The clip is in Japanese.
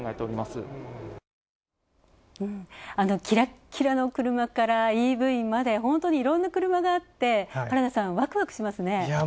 きらっきらの車からＥＶまで本当にいろんな車があって原田さん、ワクワクしますね。